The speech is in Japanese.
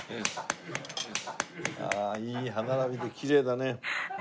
あいい歯並びできれいだね。